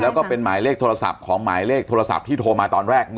แล้วก็เป็นหมายเลขโทรศัพท์ของหมายเลขโทรศัพท์ที่โทรมาตอนแรก